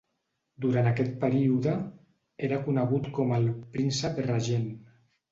Durant aquest període, era conegut com al "Príncep Regent".